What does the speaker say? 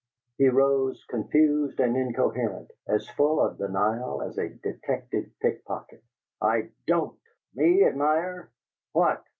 He rose, confused and incoherent, as full of denial as a detected pickpocket. "I DON'T! Me ADMIRE? WHAT?